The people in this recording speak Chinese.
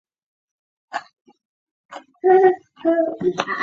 军用和民用飞机都可以使用敌友识别系统。